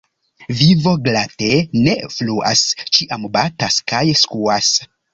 Vivo glate ne fluas, ĉiam batas kaj skuas.